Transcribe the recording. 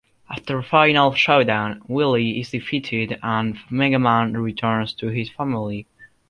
After a final showdown, Wily is defeated and Mega Man returns to his family.